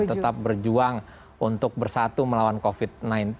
tetap berjuang untuk bersatu melawan covid sembilan belas